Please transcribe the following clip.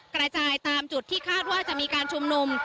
กระจายตามจุดที่คาดว่าจะมีการชุมนุม